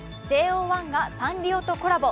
ＪＯ１がサンリオとコラボ。